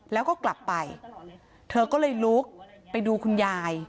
แล้วก็กลับไปเธอก็เลยลุกไปดูคุณยาย